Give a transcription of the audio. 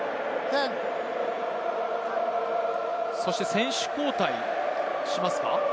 選手交代しますか？